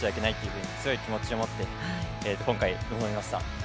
ふうに強い気持ちを持って今回臨みました。